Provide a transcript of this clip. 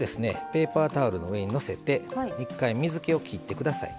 ペーパータオルの上にのせて一回水けをきって下さい。